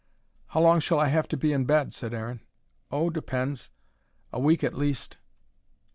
"How long shall I have to be in bed?" said Aaron. "Oh depends. A week at least."